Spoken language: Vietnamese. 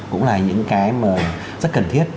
cũng là những cái mà rất cần thiết